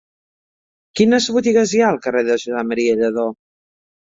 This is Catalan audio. Quines botigues hi ha al carrer de Josep M. Lladó?